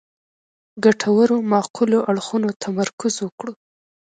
ګټورو معقولو اړخونو تمرکز وکړو.